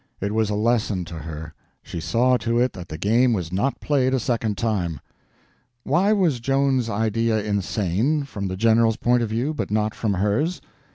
It was a lesson to her; she saw to it that the game was not played a second time. Why was Joan's idea insane, from the generals' point of view, but not from hers?